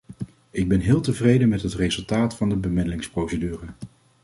Ik ben heel tevreden met het resultaat van de bemiddelingsprocedure.